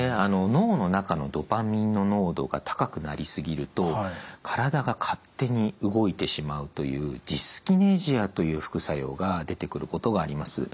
脳の中のドパミンの濃度が高くなりすぎると体が勝手に動いてしまうというジスキネジアという副作用が出てくることがあります。